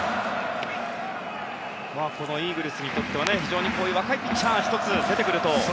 このイーグルスにとっては非常にこういう若いピッチャーが１つ、出てくると。